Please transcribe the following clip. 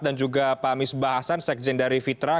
dan juga pak misbah hasan sekjen dari fitra